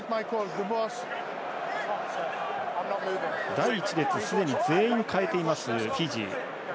第１列、すでに全員変えています、フィジー。